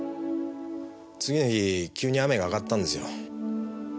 次の日急に雨が上がったんですよ。